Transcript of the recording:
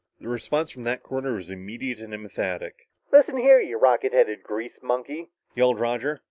The response from that corner was immediate and emphatic. "Listen, you rocket headed grease monkey," yelled Roger.